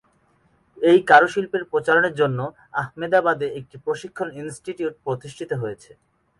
এই কারুশিল্পের প্রচারের জন্য, আহমেদাবাদে একটি প্রশিক্ষণ ইনস্টিটিউট প্রতিষ্ঠিত হয়েছে।